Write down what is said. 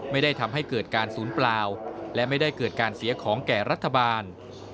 ไม่ได้ทำให้เกิดการศูนย์เปล่าและไม่ได้เกิดการเสียของแก่รัฐบาล